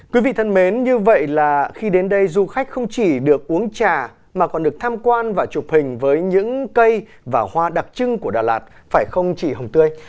quý vị thân mến như vậy là khi đến đây du khách không chỉ được uống trà mà còn được tham quan và chụp hình với những cây và hoa đặc trưng của đà lạt phải không chị hồng tươi